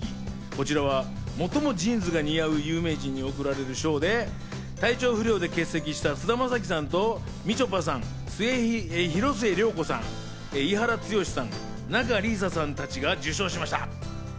こちらは最もジーンズが似合う有名人に贈られる賞で、体調不良で欠席した菅田将暉さんとみちょぱさん、広末涼子さん、伊原剛志さん、仲里依紗さんたちが受賞しました。